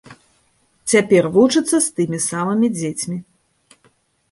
Цяпер вучыцца з тымі самымі дзецьмі.